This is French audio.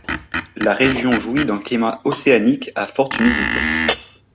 La région jouit d'un climat océanique à forte humidité.